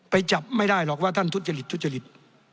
ไปจับไม่ได้หรอกว่าท่านทุฏฤทธิ์ทุฏฤทธิ์